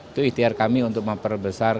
itu ikhtiar kami untuk memperbesar